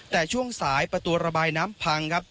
แต่ช่วงสายประตูระบายน้ำพังครับ